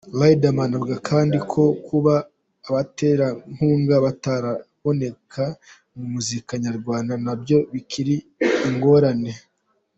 Riderman avuga kandi ko kuba abaterankunga bataraboneka mu muziki nyarwanda nabyo bikiri ingorane.